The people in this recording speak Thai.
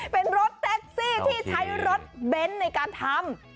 เป็นรถแท็กซี่ที่ใช้รถเบนท์ในการทำ